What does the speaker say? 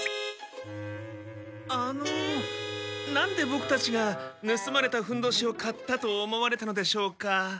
あのなんでボクたちがぬすまれたふんどしを買ったと思われたのでしょうか？